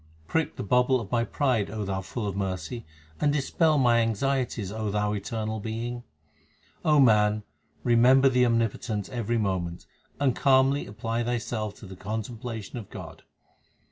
Prick the bubble of my pride, O Thou full of mercy, and dispel my anxieties, O Thou Eternal Being. O man, remember the Omnipotent every moment, and calmly apply thyself to the contemplation of God.